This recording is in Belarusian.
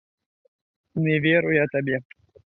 Не веру я табе!